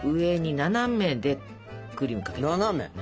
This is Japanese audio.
斜め？